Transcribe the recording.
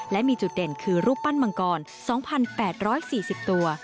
และมีจุดเด่นคือรูปปั้นมังกร๒๘๔๐ตัว